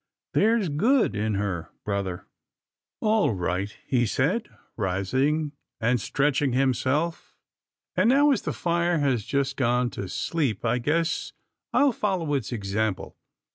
There's good in her, brother." " All right," he said rising and stretching him self, " and now, as the fire has just gone to sleep, I guess I'll follow its example.